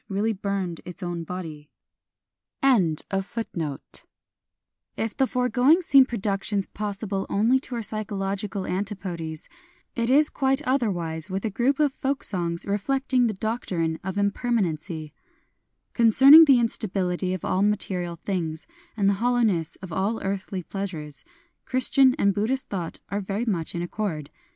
'"I love I love ' saying cry inseets than, better 196 BUDDHIST ALLUSIONS If tlie foregoing seem productioDS possible only to our psychological antipodes, it is quite otherwise with a group of folk songs reflecting the doctrine of Impermanency. Concerning the instability of all material things, and the hollowness of all earthly pleasures, Christian and Buddhist thought are very much in ac cord.